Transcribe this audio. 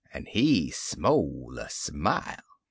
" an' he smole a smile.